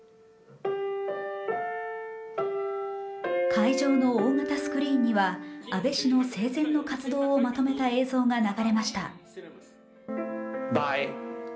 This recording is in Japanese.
会場の大型スクリーンには安倍氏の生前の活動をまとめた映像が流れました。